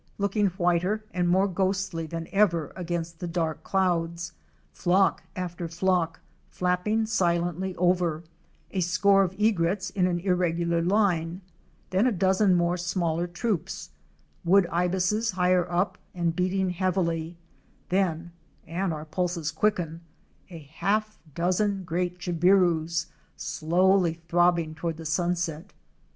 381 ing whiter and more ghostly than ever, against the dark clouds; flock after flock flapping silently over: a score of Egrets * in an irregular line, then a dozen more smaller troops; Wood Ibises * higher up and beating heavily, then — and our pulses quicken — a half dozen great Jabirus *°— slowly throbbing toward the sunset.